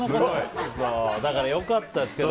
だから、良かったですけど。